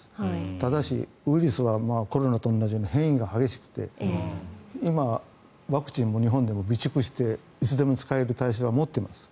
ただし、ウイルスはコロナと同じように変異が激しくて今、ワクチンも日本でも備蓄していつでも使える体制は持っています。